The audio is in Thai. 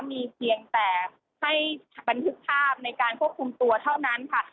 มีเพียงแต่ให้บันทึกภาพในการควบคุมตัวเท่านั้นค่ะ